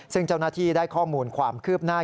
ซึ่งเจ้าหน้าที่ได้ข้อมูลความคืบหน้า